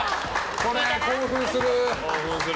これ興奮する！